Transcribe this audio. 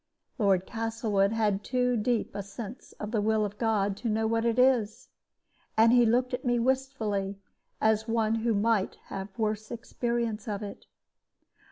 Lord Castlewood had too deep a sense of the will of God to know what it is; and he looked at me wistfully as at one who might have worse experience of it.